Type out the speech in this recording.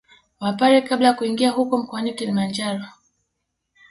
Wapare Kabla ya kuingia huko mkoani Kilimanjaro